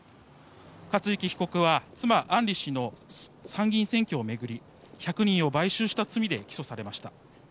克行被告は妻・案里氏の参議院選挙を巡り１００人を買収した罪で起訴されました。